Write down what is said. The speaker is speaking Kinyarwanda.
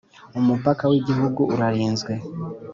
umupaka w ‘Igihugu urarinzwe.